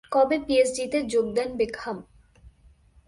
কবে পিএসজিতে যোগ দেন বেকহাম?